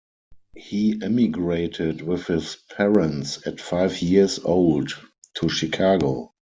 He emigrated with his parents at five years old to Chicago.